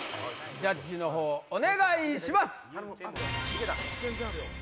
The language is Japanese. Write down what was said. ジャッジの方をお願いします。